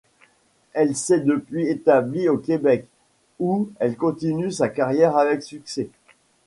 Elle s'est depuis établie au Québec, où elle continue sa carrière avec succès.